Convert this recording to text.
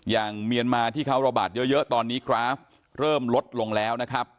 เมียนมาที่เขาระบาดเยอะตอนนี้กราฟเริ่มลดลงแล้วนะครับ